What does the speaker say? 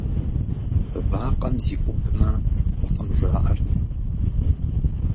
Вакъэм зиӀубмэ, фӀыкъым, жаӀэрт.